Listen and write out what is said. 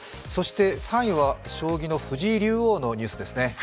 そして３位は、将棋の藤井竜王のニュースですね。